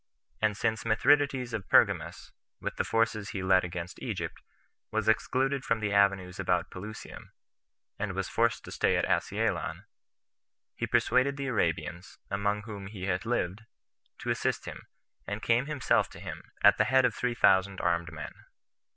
And since Mithridates of Pergamus, with the forces he led against Egypt, was excluded from the avenues about Pelusium, and was forced to stay at Asealon, he persuaded the Arabians, among whom he had lived, to assist him, and came himself to him, at the head of three thousand armed men.